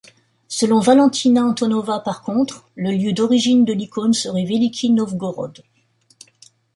Selon Valentina Antonova par contre, le lieu d'origine de l'icône serait Veliki Novgorod.